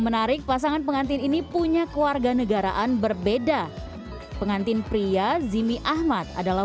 menarik pasangan pengantin ini punya keluarga negaraan berbeda pengantin pria zimi ahmad adalah